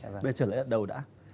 bây giờ trở lại lần đầu đã